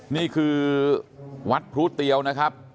นี่คือวัดพรูเตียวนะครับ